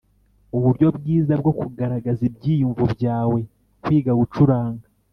uburyo bwiza bwo kugaragaza ibyiyumvo byawe Kwiga gucuranga